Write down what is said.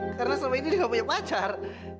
karena selama ini dia gak punya pacar